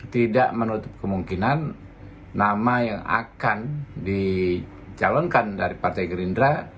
tidak menutup kemungkinan nama yang akan dicalonkan dari partai gerindra